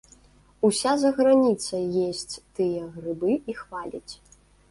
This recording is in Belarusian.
Уся заграніца есць тыя грыбы і хваліць.